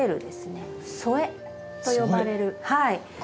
はい。